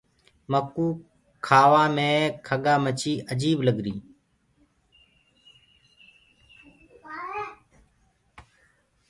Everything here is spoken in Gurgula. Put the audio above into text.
مڪوُ کآوآ مي کڳآ مڇي اجيب لگري۔